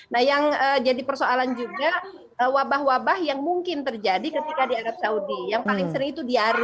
nah yang jadi persoalan juga wabah wabah yang mungkin terjadi ketika di arab saudi yang paling sering itu diari